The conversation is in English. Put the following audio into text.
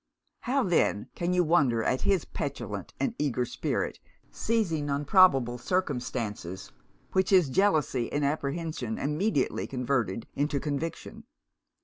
How then can you wonder at his petulant and eager spirit seizing on probable circumstances, which his jealousy and apprehension immediately converted into conviction?